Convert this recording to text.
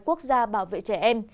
quốc gia bảo vệ trẻ em